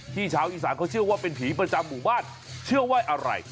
ชาวอีสานเขาเชื่อว่าเป็นผีประจำหมู่บ้านเชื่อว่าอะไร